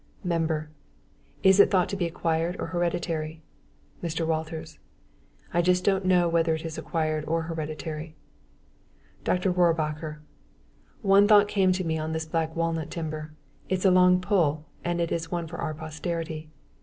MEMBER: Is it thought to be acquired or hereditary? MR. WALTERS: I just don't know whether it is acquired or hereditary. DR. ROHRBACHER: One thought came to me on this black walnut timber. It's a long pull, and it is one for our posterity.